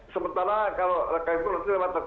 sementara kalau rekening